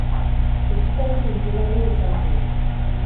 Ekitaldi hunkigarria izan zen.